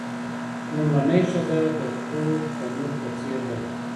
لومړنۍ ښځه د تود تنور په څیر ده.